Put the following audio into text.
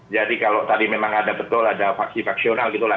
jadi kalau tadi memang ada betul ada vaksin vaksin gitu lah